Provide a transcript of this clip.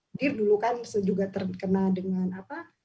hadir dulu kan juga terkena dengan apa